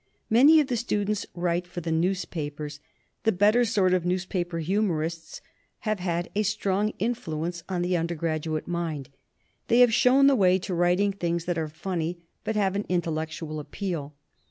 "Many of the students write for the news papers. The better sort of newspaper humorists have had a strong influence on the undergraduate mind; they have shown the way to writing things that are funny but have an intellectual appeal.